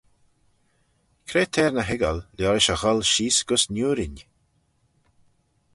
Cre t'er ny hoiggal liorish e gholl sheese gys niurin?